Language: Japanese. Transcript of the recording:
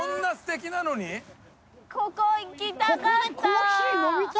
ここ行きたかった。